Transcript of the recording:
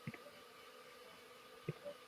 长子达尔玛咱第袭职爵。